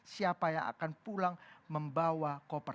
siapa yang akan pulang membawa koper